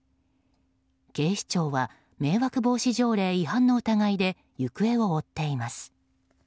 警視庁は迷惑防止条例違反の疑いで行方を追っています。